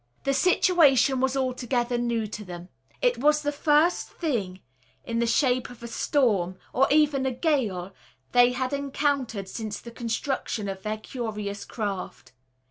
The situation was altogether new to them. It was the first thing in the shape of a storm, or even a gale, they had encountered since the construction of their curious craft.